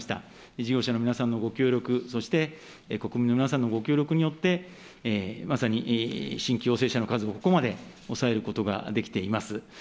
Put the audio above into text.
事業者の皆さんのご協力、そして国民の皆さんのご協力によって、まさに新規陽性者の数をここまで抑えることができています。